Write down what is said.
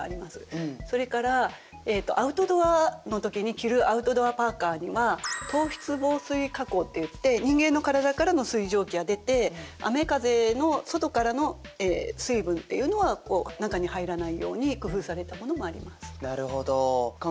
それからアウトドアの時に着るアウトドアパーカーには透湿防水加工っていって人間の体からの水蒸気は出て雨風の外からの水分っていうのは中に入らないように工夫されたものもあります。